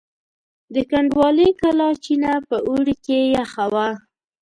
د کنډوالې کلا چینه په اوړي کې یخه وه.